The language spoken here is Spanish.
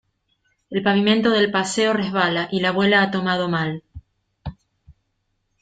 El pavimento del paseo resbala y la abuela ha tomado mal.